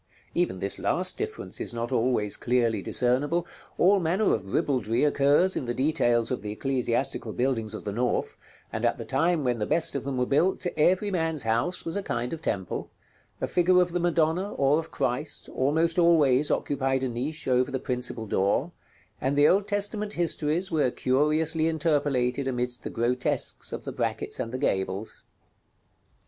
Even this last difference is not always clearly discernible: all manner of ribaldry occurs in the details of the ecclesiastical buildings of the North, and at the time when the best of them were built, every man's house was a kind of temple; a figure of the Madonna, or of Christ, almost always occupied a niche over the principal door, and the Old Testament histories were curiously interpolated amidst the grotesques of the brackets and the gables.